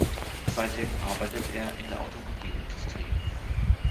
Seitdem arbeitet er in der Automobilindustrie.